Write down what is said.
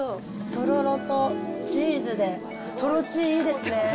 とろろとチーズで、とろチー、いいですね。